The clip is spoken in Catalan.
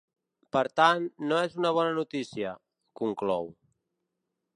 “Per tant, no és una bona notícia”, conclou.